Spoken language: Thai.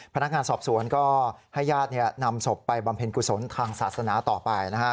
พนักงานสอบสวนก็ให้ญาตินำศพไปบำเพ็ญกุศลทางศาสนาต่อไปนะฮะ